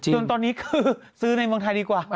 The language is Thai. จนตอนนี้คือซื้อในเมืองไทยดีกว่า